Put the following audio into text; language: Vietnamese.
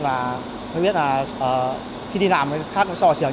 và biết là khi đi làm thì khác so với trường